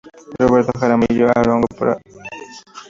Roberto Jaramillo Arango, Pbro.